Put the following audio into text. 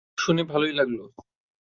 শুনে ভালোই লাগলো।